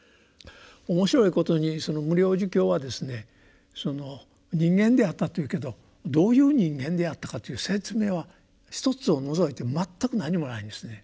面白いことにその「無量寿経」はですね人間であったというけどどういう人間であったかという説明は一つを除いて全く何もないんですね。